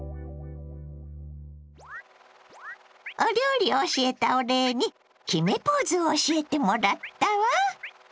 お料理教えたお礼に決めポーズを教えてもらったわ。